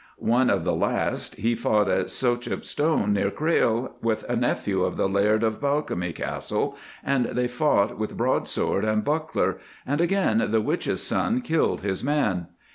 One of the last he fought at Sauchope Stone, near Crail, with a nephew of the Laird of Balcomie Castle, and they fought with broadsword and buckler, and again the "Witch's" son killed his man.